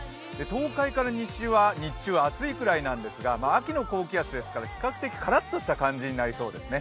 東海から西は日中、暑い位なんですが秋の高気圧ですから、比較的カラッとした感じになりそうですね。